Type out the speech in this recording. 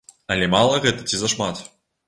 Але мала гэта ці зашмат?